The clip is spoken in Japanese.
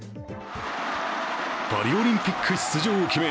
パリオリンピック出場を決め